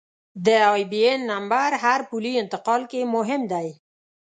د آیبياېن نمبر هر پولي انتقال کې مهم دی.